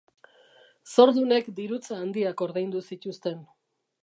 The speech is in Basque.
Zordunek dirutza handiak ordaindu zituzten.